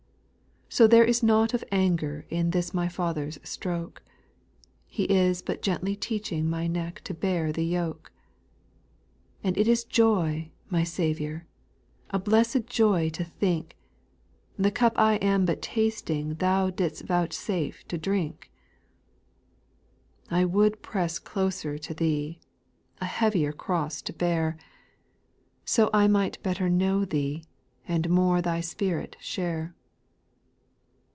4. So there is nought of anger In this my Father's stroke ; He is but gently teaching My neck to bear the yoke. 5. And it is joy, my Saviour 1 A blessed joy to think, The cup I am but tasting Thou didst vouchsafe to drink. 6, I would press closer to Thee, A heavier cross to bear, SPIRITUAL SONGS. 861 So I might better know Thee, And more Thy spirit share.